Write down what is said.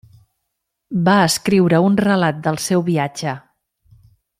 Va escriure un relat del seu viatge.